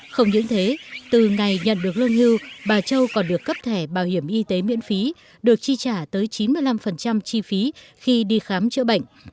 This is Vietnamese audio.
không những thế từ ngày nhận được lương hưu bà châu còn được cấp thẻ bảo hiểm y tế miễn phí được chi trả tới chín mươi năm chi phí khi đi khám chữa bệnh